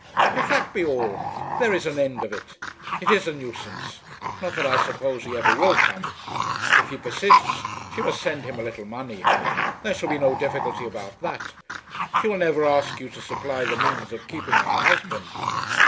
"If that be all, there is an end of it. It is a nuisance. Not that I suppose he ever will come. If he persists she must send him a little money. There shall be no difficulty about that. She will never ask you to supply the means of keeping her husband."